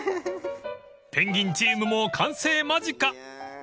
［ペンギンチームも完成間近］